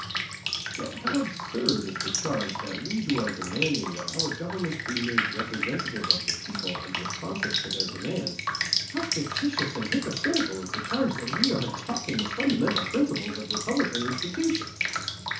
Yet how absurd is the charge that we who are demanding that our government be made representative of the people and responsive to their demands, how fictitious and hypocritical is the charge that we are attacking the fundamental principles of republican institutions!